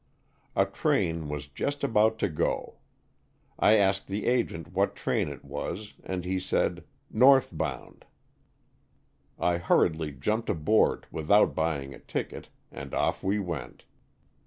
A train was just about to go. I asked the agent what train it was and he said, 'north bound.* 1 hurriedly jumped aboard without buying a ticket, and off we went.